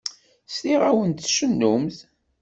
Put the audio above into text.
Sliɣ-awent tcennumt.